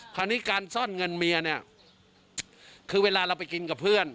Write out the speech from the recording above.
คราวนี้การซ่อนเงินเมียเนี่ยคือเวลาเราไปกินกับเพื่อน